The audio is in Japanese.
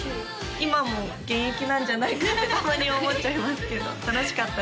今も現役なんじゃないか？ってたまに思っちゃいますけど楽しかったです